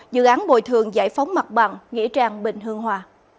dự án bồi thường giải phóng mặt bằng nghĩa trang bình hương hòa